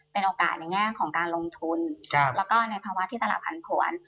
เป็นโอกาสในแง่ของการลงทุนแล้วก็ในภาวะที่ตลาดผันผวน